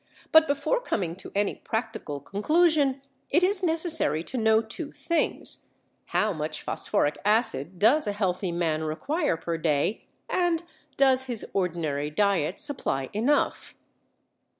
But before coming to any practical conclusion it is necessary to know two things, how much phosphoric acid does a healthy man require per day, and does his ordinary diet supply enough?